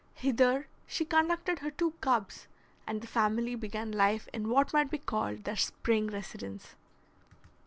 Hither she conducted her two cubs, and the family began life in what might be called their spring residence.